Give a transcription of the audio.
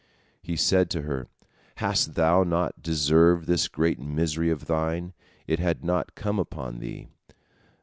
He said to her, "Hadst thou not deserved this great misery of thine, it had not come upon thee."